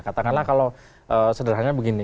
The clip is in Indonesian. katakanlah kalau sederhananya begini